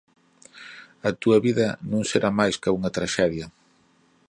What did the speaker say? A túa vida non será máis ca unha traxedia".